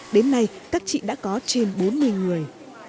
đến nay các chị đã có trên bốn mươi người